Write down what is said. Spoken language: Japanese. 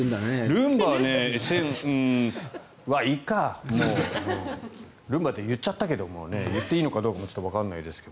ルンバはいいかルンバって言っちゃったけど言っていいのかどうかもわからないですが。